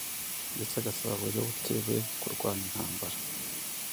ndetse agasaba abayoboke be kurwana intambara